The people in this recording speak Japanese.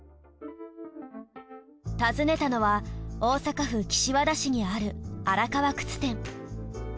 訪ねたのは大阪府岸和田市にあるアラカワクツ店。